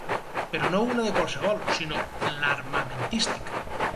Però no una de qualsevol, sinó l’armamentística.